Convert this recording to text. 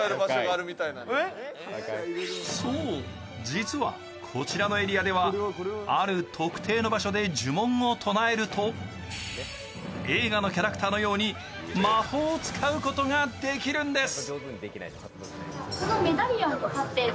実はこちらのエリアではある特定の場所で呪文をとなえると映画のキャラクターのように魔法を使うことができるんです。